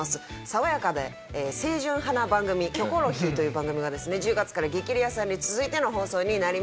爽やかで清純派な番組『キョコロヒー』という番組がですね１０月から『激レアさん』に続いての放送になりました。